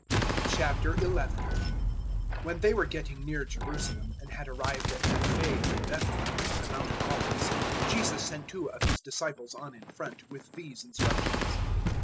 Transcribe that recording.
011:001 When they were getting near Jerusalem and had arrived at Bethphage and Bethany, on the Mount of Olives, Jesus sent two of his disciples on in front, with these instructions.